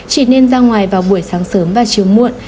chỉ nên ra ngoài vào buổi sáng sớm và chiều muộn